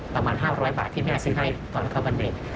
ประมาณ๕๐๐บาทที่แม่ซื้อให้ตอนเขาบัณฑิต